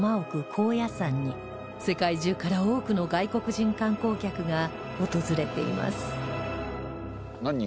高野山に世界中から多くの外国人観光客が訪れていますねえ。